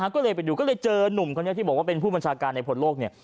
ก็เลยไปดูก็เลยเจอนุ่มคนนี้ที่บอกว่าเป็นผู้บัญชาการในพลโลกเนี่ย